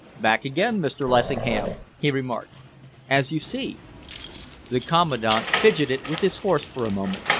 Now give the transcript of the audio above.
"Back again, Mr. Lessingham?" he remarked. "As you see." The Commandant fidgeted with his horse for a moment.